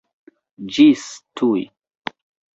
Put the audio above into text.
Ĝis tuj!